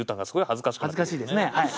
恥ずかしいですねはい。